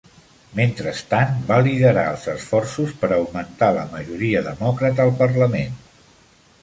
Mentrestant, va liderar els esforços per augmentar la majoria demòcrata al parlament.